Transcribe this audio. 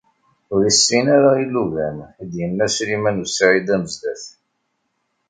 Ur issin ara ilugan i d-yenna Sliman u Saɛid Amezdat.